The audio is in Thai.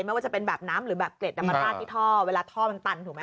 ไม่ว่าจะเป็นแบบน้ำหรือแบบเกล็ดมาราดที่ท่อเวลาท่อมันตันถูกไหม